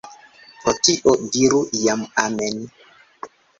Pro Dio, diru jam amen!